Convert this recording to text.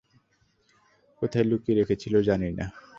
কোথায় লুকিয়ে রেখেছিল জানি না!